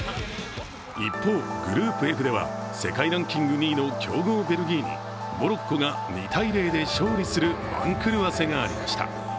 一方、グループＦでは世界ランキング２位の強豪ベルギーにモロッコが２−０で勝利する番狂わせがありました。